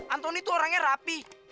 antoni tuh orangnya rapi